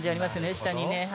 下にね。